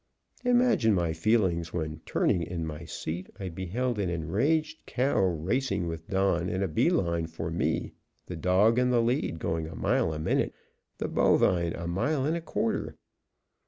Imagine my feelings when, turning in my seat, I beheld an enraged cow racing with Don in a bee line for me, the dog in the lead going a mile a minute, the bovine a mile and a quarter.